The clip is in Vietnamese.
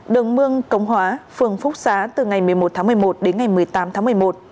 đường mương công hóa phường phúc xá từ ngày một mươi một tháng một mươi một đến ngày một mươi tám tháng một mươi một